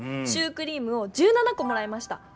シュークリームを１７こもらいました。